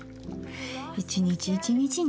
一日一日ね。